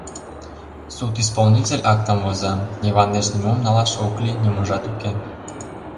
Судисполнитель актым воза: «Йыван деч нимом налаш ок лий, ниможат уке...»